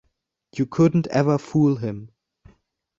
You couldn't ever fool him.